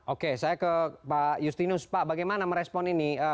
oke saya ke pak justinus pak bagaimana merespon ini